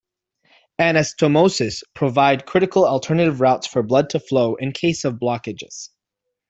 Anastomoses provide critical alternative routes for blood to flow in case of blockages.